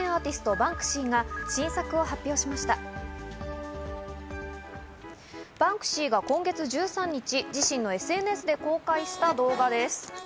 バンクシーが今月１３日、自身のＳＮＳで公開した動画です。